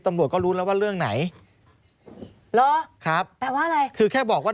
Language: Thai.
ตำรวจก็รู้แล้วว่าเรื่องไหนหรอครับแปลว่าอะไรคือแค่บอกว่า